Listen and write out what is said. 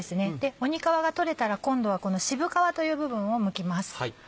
鬼皮が取れたら今度はこの渋皮という部分をむきます。